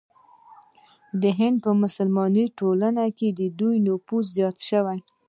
د هند په مسلمانه ټولنه کې د دوی نفوذ زیات شو.